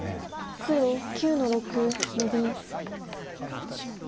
黒９の六ノビ。